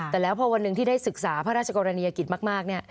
แต่แล้วพอวันหนึ่งที่ได้ศึกษาพระราชกรณียกิจมากเนี่ย